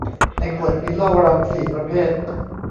ในขวดมีเหล้ารัมสี่ประเภท